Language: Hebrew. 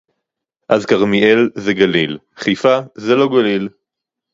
אז כרמיאל זה גליל; חיפה זה לא גליל